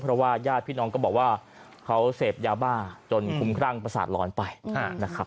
เพราะว่าญาติพี่น้องก็บอกว่าเขาเสพยาบ้าจนคุ้มครั่งประสาทหลอนไปนะครับ